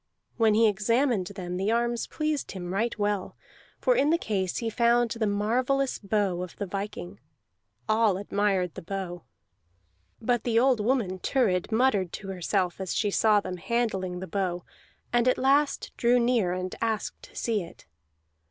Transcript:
When he examined them the arms pleased him right well, for in the case he found the marvellous bow of the viking. All admired the bow. But the old woman Thurid muttered to herself as she saw them handling the bow, and at last drew near and asked to see it.